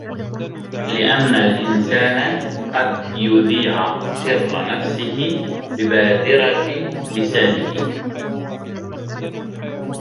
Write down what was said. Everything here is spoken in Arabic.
لِأَنَّ الْإِنْسَانَ قَدْ يُذِيعَ سِرَّ نَفْسِهِ بِبَادِرَةِ لِسَانِهِ